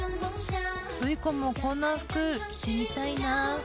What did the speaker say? ブイ子もこんな服着てみたいな。